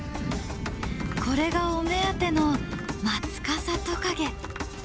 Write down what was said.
これがお目当てのマツカサトカゲ。